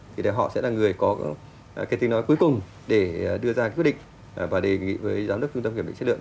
thì họ sẽ là người có cái tiếng nói cuối cùng để đưa ra quyết định và đề nghị với giám đốc trung tâm kiểm định chất lượng